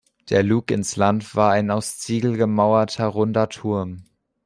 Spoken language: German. Der Luginsland war ein aus Ziegel gemauerter, runder Turm.